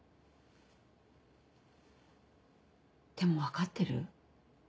でも分かってる？